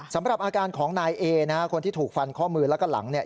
สำหรับอาการของนายเอนะฮะคนที่ถูกฟันข้อมือแล้วก็หลังเนี่ย